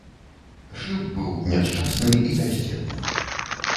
Шлюб быў няшчасны і бяздзетны.